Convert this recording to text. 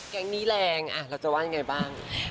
แก๊งนี้แรงเราจะว่ายังไงบ้าง